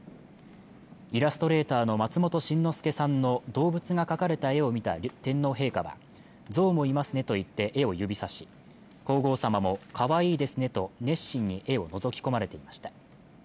イラストレーターの松元伸乃介さんの動物が描かれた絵を見た天皇陛下はゾウもいますねと言って絵を指さし皇后さまもかわいいですねと熱心に絵を覗き込まれていました